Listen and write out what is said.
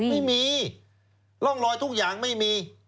ไม่มีร่องรอยทุกอย่างไม่มี